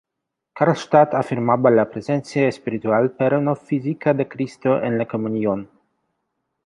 Karlstadt afirmaba la presencia espiritual, pero no física de Cristo en la comunión.